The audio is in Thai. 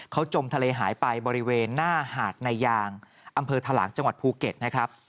เขาจมทะเลหายไปบริเวณหน้าหาดนายางอำเภอทะหลางจังหวัดภูเก็ตนะครับ